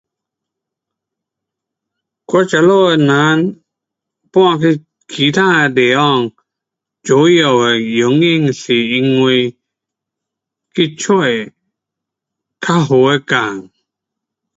我这里的人搬去其他的地方主要的原因是因为去找较好的工。